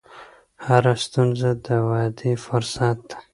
هره ستونزه د ودې فرصت دی.